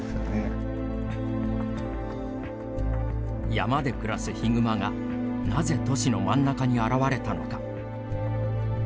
山で暮らすヒグマがなぜ都市の真ん中に現れたのか。